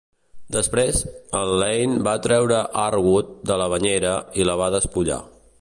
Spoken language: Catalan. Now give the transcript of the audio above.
Després, en Lane va treure Arwood de la banyera i la va despullar.